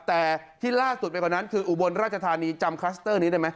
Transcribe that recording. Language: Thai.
แต่ที่ล่าสุดไปกว่านั้นคืออุบลราชธานีจำคลัสเตอร์นี้ได้ไหม